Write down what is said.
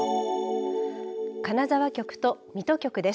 金沢局と水戸局です。